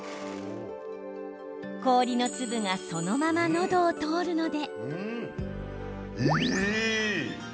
氷の粒がそのままのどを通るので。